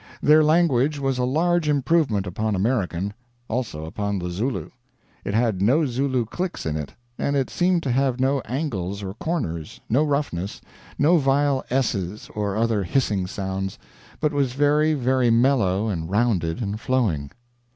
Their language was a large improvement upon American. Also upon the Zulu. It had no Zulu clicks in it; and it seemed to have no angles or corners, no roughness, no vile s's or other hissing sounds, but was very, very mellow and rounded and flowing.